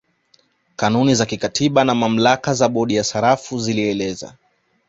Kanuni za kikatiba na mamlaka ya bodi ya sarafu zilieleza